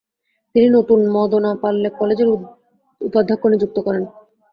তিনি নতুন মদনাপাল্লে কলেজের উপাধ্যক্ষ নিযুক্ত করেন।